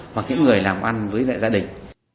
hoặc những người làm ăn với gia đình